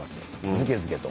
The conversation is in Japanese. ずけずけと。